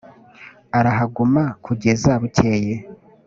arahaguma kugeza bukeye